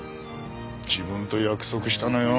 自分と約束したのよ。